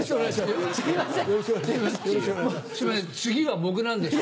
すいません次は僕なんです。